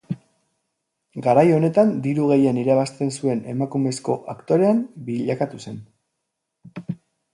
Garai honetan diru gehien irabazten zuen emakumezko aktorean bilakatu zen.